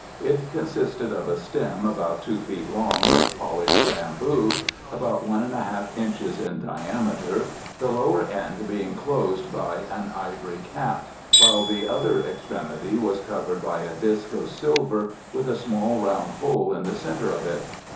It consisted of a stem, about 2 feet long, of polished bamboo, about 1 1/2 inches in diameter, the lower end being closed by an ivory cap, while the other extremity was covered by a disc of silver with a small round hole in the centre of it.